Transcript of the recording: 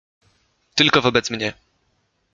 Tylko wobec mnie.